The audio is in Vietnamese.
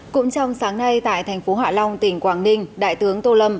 cũng trong sáng nay tại thành phố hạ long tỉnh quảng ninh đại tướng tô lâm